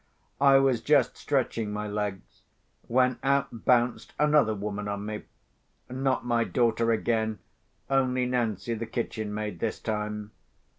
I was just stretching my legs, when out bounced another woman on me. Not my daughter again; only Nancy, the kitchen maid, this time.